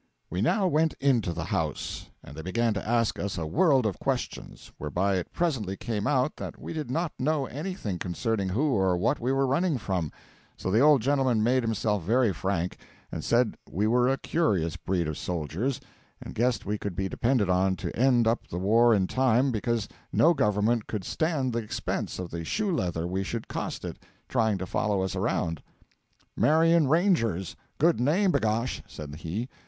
We now went into the house, and they began to ask us a world of questions, whereby it presently came out that we did not know anything concerning who or what we were running from; so the old gentleman made himself very frank, and said we were a curious breed of soldiers, and guessed we could be depended on to end up the war in time, because no Government could stand the expense of the shoe leather we should cost it trying to follow us around. 'Marion Rangers! good name, b'gosh!' said he.